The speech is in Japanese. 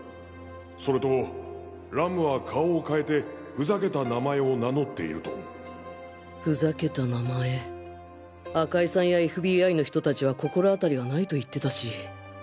それとラムは顔をかえてふざけた名前を名乗っているとふざけた名前赤井さんや ＦＢＩ の人達は心当たりがないと言ってたし